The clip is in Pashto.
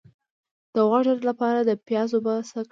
د غوږ درد لپاره د پیاز اوبه څه کړم؟